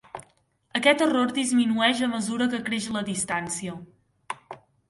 Aquest error disminueix a mesura que creix la distància.